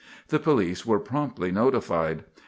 The police were promptly notified.